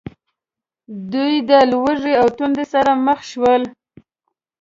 دوی له ولږې او تندې سره مخ شول.